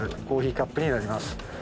コーヒーカップになります